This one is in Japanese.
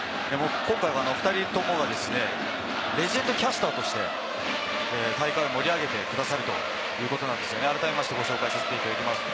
今回お２人ともレジェンドキャスターとして、大会を盛り上げてくださるということですが、改めてご紹介させていただきます。